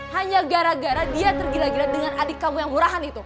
hanya gara gara dia tergila gila dengan adik kamu yang murahan itu